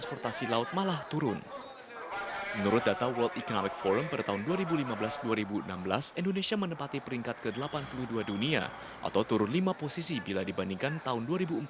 pada tahun dua ribu empat belas dua ribu enam belas indonesia menepati peringkat ke delapan puluh dua dunia atau turun lima posisi bila dibandingkan tahun dua ribu empat belas dua ribu lima belas